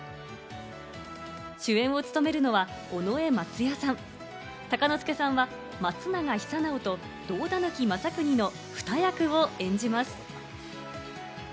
主演を務めるのは尾上松也さん、鷹之資さんは松永久直と同田貫正国の２役を演じます。